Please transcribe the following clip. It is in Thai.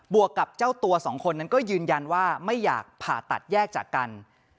วกกับเจ้าตัวสองคนนั้นก็ยืนยันว่าไม่อยากผ่าตัดแยกจากกัน